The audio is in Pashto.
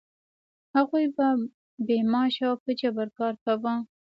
هغوی به بې معاشه او په جبر کار کاوه.